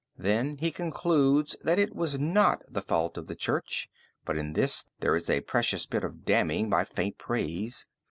Then he concludes that it was not the fault of the Church, but in this there is a precious bit of damning by faint praise.